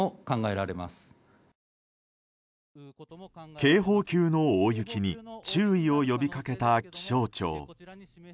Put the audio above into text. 警報級の大雪に注意を呼び掛けた気象庁。